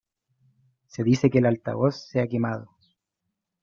Se dice que el altavoz se ha quemado.